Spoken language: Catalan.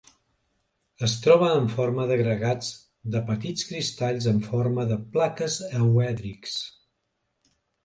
Es troba en forma d'agregats de petits cristalls en forma de plaques euèdrics.